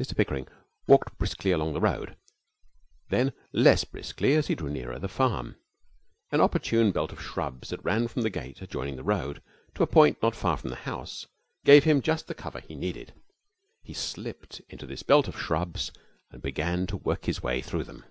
Mr Pickering walked briskly along the road, then less briskly as he drew nearer the farm. An opportune belt of shrubs that ran from the gate adjoining the road to a point not far from the house gave him just the cover he needed. He slipped into this belt of shrubs and began to work his way through them.